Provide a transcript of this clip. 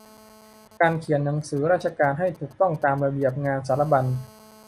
การเขียนหนังสือราชการให้ถูกต้องตามระเบียบงานสารบรรณ